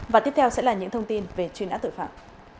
và tiếp theo sẽ là những thông tin về chuyên án tội phạm